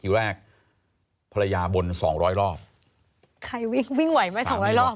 ที่แรกภรรยาบน๒๐๐รอบใครวิ่งวิ่งไหวไหม๒๐๐รอบ